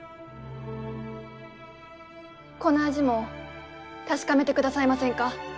この味も確かめてくださいませんか？